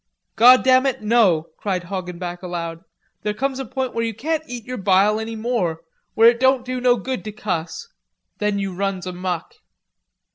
"Goddam it, no," cried Hoggenback aloud. "There comes a point where you can't eat yer bile any more, where it don't do no good to cuss. Then you runs amuck."